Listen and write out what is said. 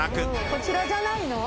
こちらじゃないの？